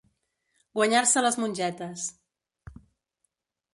Guanyar-se les mongetes.